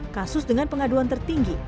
kasus dengan pengaduan tertinggi